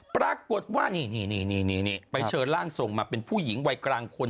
ปรากฏว่านี่ไปเชิญร่างทรงมาเป็นผู้หญิงวัยกลางคน